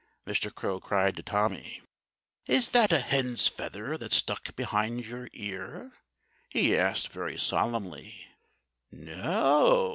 Mr. Crow cried to Tommy. "Is that a hen's feather that's stuck behind your ear?" he asked very solemnly. "No!"